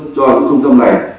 cho các trung tâm này